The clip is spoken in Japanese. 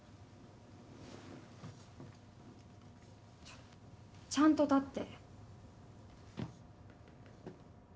ちょっちゃんと立って。